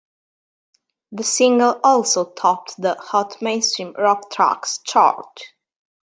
The single also topped the "Hot Mainstream Rock Tracks" chart.